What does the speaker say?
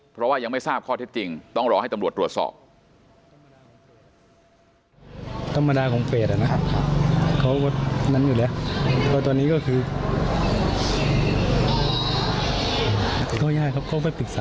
เพราะว่ายังไม่ทราบข้อเท็จจริงต้องรอให้ตำรวจตรวจสอบ